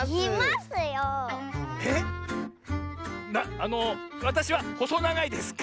あのわたしはほそながいですか？